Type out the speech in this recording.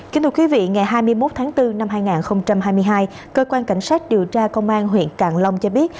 kính thưa quý vị ngày hai mươi một tháng bốn năm hai nghìn hai mươi hai cơ quan cảnh sát điều tra công an huyện càng long cho biết